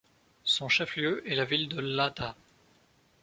Son chef-lieu est la ville de Llata.